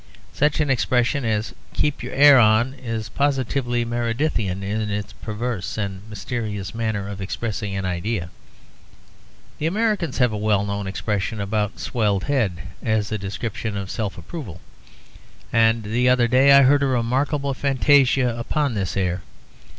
Such an expression as 'Keep your hair on' is positively Meredithian in its perverse and mysterious manner of expressing an idea. The Americans have a well known expression about 'swelled head' as a description of self approval, and the other day I heard a remarkable fantasia upon this air.